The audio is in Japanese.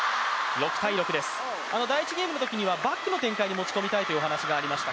第１ゲームのときにはバックの展開に持ち込みたいという話がありました。